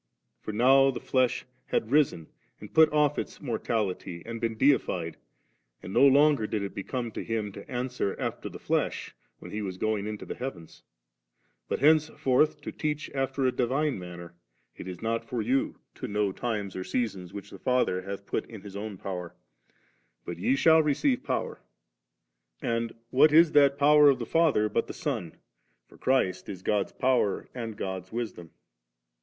For now the flesh had risen and put off* its mortality and been deified; and no longer did it become Him to answer after the flesh when He was going into the heavens ; but henceforth to teach after a divine manner, ' It is not for you to know times or seasons which the Fadier hath put in His own power; but ye shall receive Power s.' And what is that Power of the Father but the Son ? for Christ is 'God's Power and God's Wisdom.'